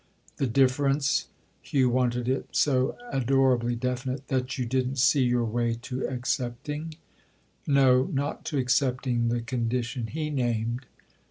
"The difference"—Hugh wanted it so adorably definite—"that you didn't see your way to accepting——?" "No, not to accepting the condition he named."